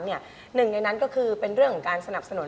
หนึ่งในนั้นก็คือเป็นเรื่องของการสนับสนุน